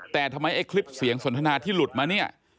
แต่ทำไมไอ้คลิปเสียงสนทนาที่หลุดมาเนี่ย